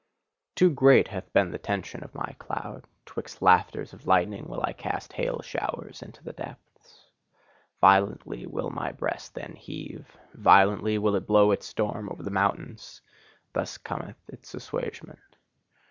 Too great hath been the tension of my cloud: 'twixt laughters of lightnings will I cast hail showers into the depths. Violently will my breast then heave; violently will it blow its storm over the mountains: thus cometh its assuagement.